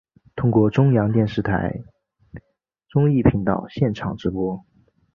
通过中央电视台综艺频道现场直播。